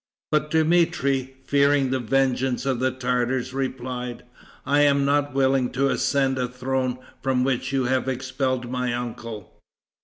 But Dmitry, fearing the vengeance of the Tartars, replied, "I am not willing to ascend a throne from which you have expelled my uncle."